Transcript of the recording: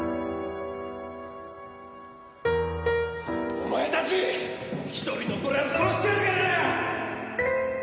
お前たち１人残らず殺してやるからな！